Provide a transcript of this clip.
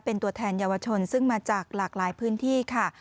เป็นตัวแทนเยาวชนซึ่งมาจากหลากหลายพื้นที่ค่ะ